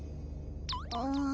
うん。